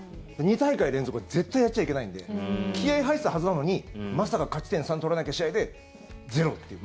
２大会連続は絶対やっちゃいけないので気合入ってたはずなのにまさか勝ち点３取らなきゃいけない試合で０っていう。